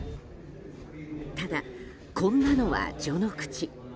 ただ、こんなのは序の口。